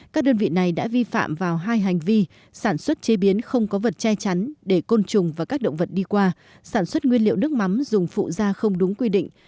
các đơn vị này đã vi phạm vào hai hành vi sản xuất chế biến không có vật che chắn để côn trùng và các động vật đi qua sản xuất nguyên liệu nước mắm dùng phụ da không đúng quy định